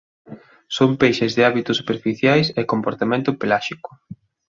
Son peixes de hábitos superficiais e comportamento peláxico.